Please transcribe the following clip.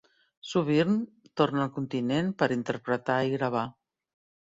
Sovint torna al continent per interpretar i gravar.